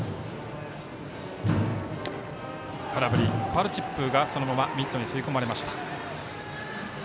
ファウルチップがそのままミットに吸い込まれました。